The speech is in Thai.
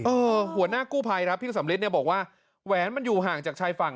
หัวหน้ากู้ภัยครับพี่สำริทเนี่ยบอกว่าแหวนมันอยู่ห่างจากชายฝั่ง